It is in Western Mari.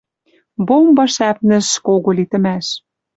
Бомба шӓпнӹш кого литӹмӓш.